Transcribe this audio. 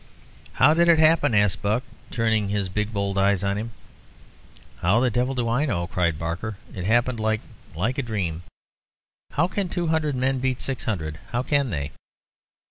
"How did it happen?" asked Buck, turning his big bold eyes on him. "How the devil do I know?" cried Barker. "It happened like like a dream. How can two hundred men beat six hundred? How can they?"